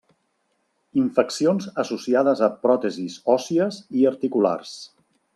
Infeccions associades a pròtesis òssies i articulares.